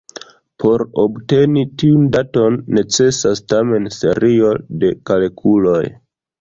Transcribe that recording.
Por obteni tiun daton necesas tamen serio de kalkuloj.